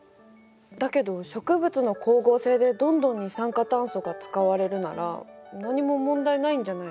だけど植物の光合成でどんどん二酸化炭素が使われるなら何も問題ないんじゃないの？